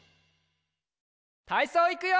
たいそういくよ！